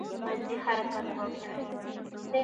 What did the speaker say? مازې حرکت وکړٸ